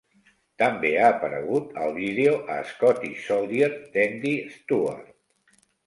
També ha aparegut al vídeo A Scottish Soldier d"Andy Stewart.